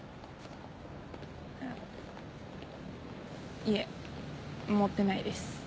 あいえ持ってないです。